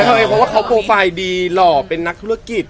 เพราะว่าเขาโปรไฟล์ดีหล่อเป็นนักธุรกิจ